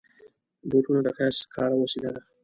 بوټونه د ښایست ښکاره وسیله ده.